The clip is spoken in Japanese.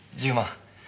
１０万。